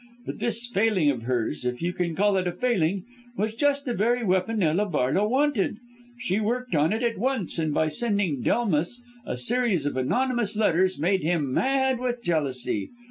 But this failing of hers if you can call it a failing, was just the very weapon Ella Barlow wanted. She worked on it at once, and by sending Delmas a series of anonymous letters made him mad with jealousy.